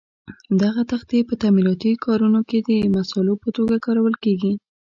دغه تختې په تعمیراتي کارونو کې د مسالو په توګه کارول کېږي.